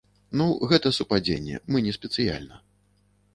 Ну, гэта супадзенне, мы не спецыяльна.